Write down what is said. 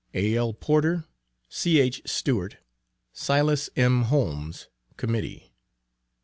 A.L. PORTER, C.H. STEWART, SILAS M. HOLMES. Committee.